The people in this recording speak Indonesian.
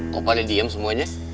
kok pada diem semuanya